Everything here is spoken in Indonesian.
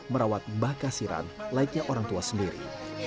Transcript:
merawat mbah kasiran laiknya orang tua sendiri